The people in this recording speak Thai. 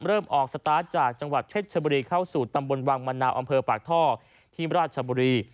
เริ่มออกสตาร์ทจากจังหวัดเพชรชบุรีเข้าสู่ตำบลวังมะนาวอำเภอปากท่อที่ราชบุรี